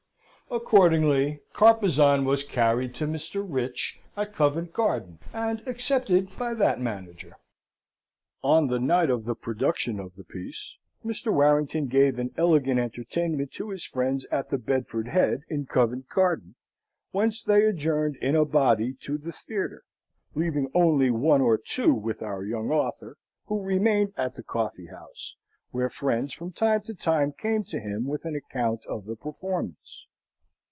Accordingly, Carpezan was carried to Mr. Rich at Covent Garden, and accepted by that manager. On the night of the production of the piece, Mr. Warrington gave an elegant entertainment to his friends at the Bedford Head, in Covent Garden, whence they adjourned in a body to the theatre; leaving only one or two with our young author, who remained at the coffee house, where friends from time to time came to him with an account of the performance.